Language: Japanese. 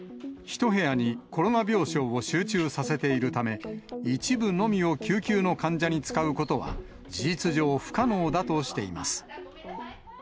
１部屋にコロナ病床を集中させているため、一部のみを救急の患者に使うことは、事実上不可能だとしています。